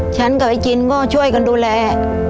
ฉันกับไอจินก็ช่วยกันดูแล